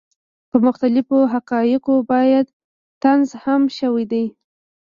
پۀ مختلفو حقائقو باندې طنز هم شوے دے،